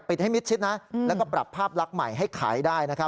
ปิดให้มิดเช็ดนะแล้วก็ปรับภาพลักษณ์ใหม่ให้ขายได้นะครับ